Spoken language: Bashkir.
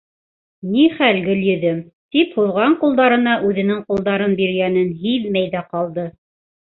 — Ни хәл, Гөлйөҙөм, — тип һуҙған ҡулдарына үҙенең ҡулдарын биргәнен һиҙмәй ҙә ҡалды.